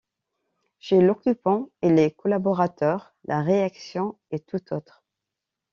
Chez l'Occupant et les collaborateurs, la réaction est tout autre.